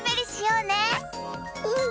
うん！